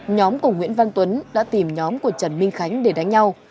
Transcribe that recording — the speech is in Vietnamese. nhóm của nguyễn văn tuấn đã tìm nhóm của trần minh khánh để đánh nhau